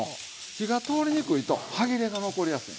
火が通りにくいと歯切れが残りやすい。